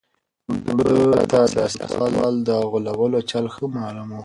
ده ته د سياستوالو د غولولو چل ښه معلوم و.